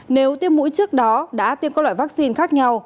nếu tiêm mũi trước đó đã tiêm các loại vaccine khác nhau